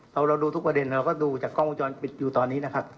เราดูทุกประเด็นเราก็ดูจากกล้องวงจรปิดอยู่ตอนนี้นะครับ